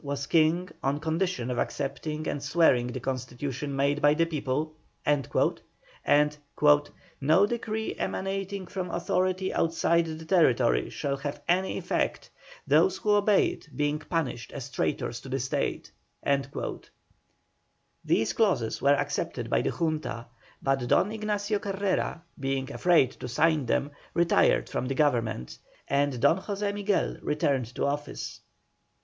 was king on condition of accepting and swearing the Constitution made by the people," and "no decree emanating from authority outside the territory shall have any effect, those who obey it being punished as traitors to the State." These clauses were accepted by the Junta, but Don Ignacio Carrera, being afraid to sign them, retired from the Government, and Don José Miguel returned to office.